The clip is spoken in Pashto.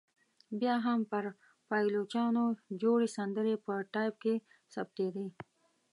بیا هم پر پایلوچانو جوړې سندرې په ټایپ کې ثبتېدې.